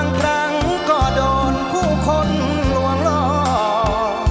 ช่วยฝังดินหรือกว่า